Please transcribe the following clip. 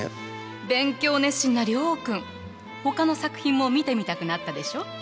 勉強熱心な諒君ほかの作品も見てみたくなったでしょ？